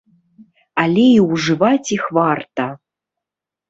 Але і ўжываць іх варта.